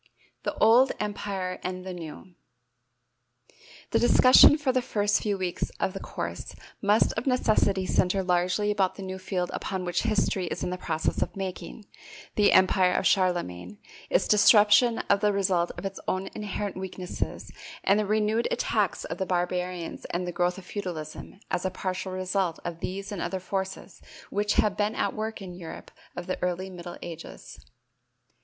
The Old Empire and the New. The discussion for the first few weeks of the course must of necessity center largely about the new field upon which history is in the process of making, the empire of Charlemagne, its disruption as the result of its own inherent weaknesses and the renewed attacks of the barbarians and the growth of feudalism as a partial result of these and other forces which have been at work in the Europe of the early middle ages.